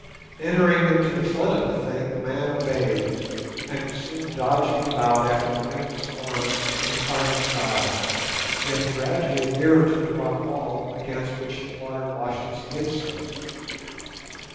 Entering into the fun of the thing, the man obeyed, and soon was dodging about after the winged swan in fine style, getting gradually nearer to the rock wall, against which the water washed as he did so.